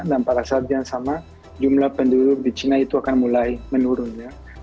dan pada saat yang sama jumlah penduduk di china itu akan mulai menurun